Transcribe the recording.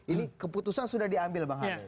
ini keputusan sudah diambil bang habib